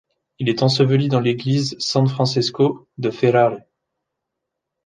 Il est enseveli dans l’église San Francesco de Ferrare.